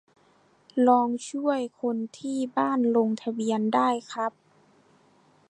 ลองช่วยคนที่บ้านลงทะเบียนได้ครับ